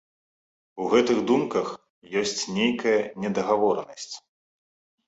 У гэтых думках ёсць нейкая недагаворанасць.